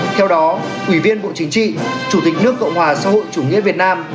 theo đó ủy viên bộ chính trị chủ tịch nước cộng hòa xã hội chủ nghĩa việt nam